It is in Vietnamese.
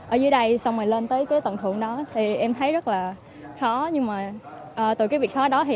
ở dưới đây xong rồi lên tới cái tầng thượng đó thì em thấy rất là khó nhưng mà từ cái việc khó đó thì